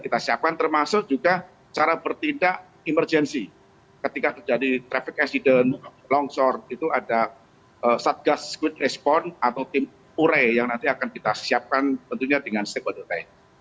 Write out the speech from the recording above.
kita siapkan termasuk juga cara bertindak emergensi ketika terjadi traffic accident longsor itu ada satgas quid respon atau tim ure yang nanti akan kita siapkan tentunya dengan stakeholder time